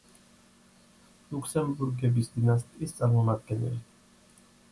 ლუქსემბურგების დინასტიის წარმომადგენელი.